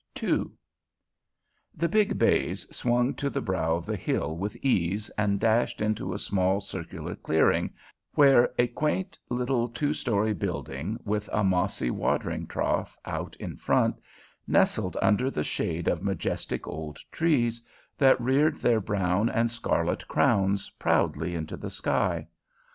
II The big bays swung to the brow of the hill with ease, and dashed into a small circular clearing, where a quaint little two story building, with a mossy watering trough out in front, nestled under the shade of majestic old trees that reared their brown and scarlet crowns proudly into the sky.